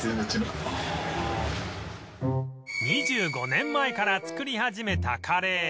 ２５年前から作り始めたカレー